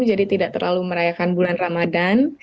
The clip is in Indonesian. jadi tidak terlalu merayakan bulan ramadan